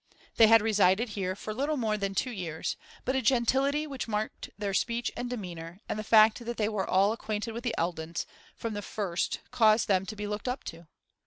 They had resided here for little more than two years, but a gentility which marked their speech and demeanour, and the fact that they were well acquainted with the Eldons, from the first caused them to be looked up to.